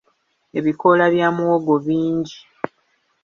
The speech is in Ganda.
Ebikoola bya muwogo bingi.